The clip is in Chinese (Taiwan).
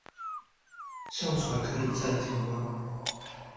上傳可以暫停嗎？